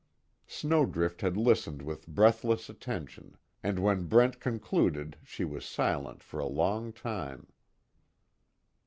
Snowdrift had listened with breathless attention and when Brent concluded she was silent for a long time.